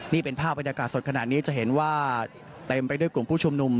นี่เป็นภาพบรรยากาศสดขนาดนี้จะเห็นว่าเต็มไปด้วยกลุ่มผู้ชุมนุม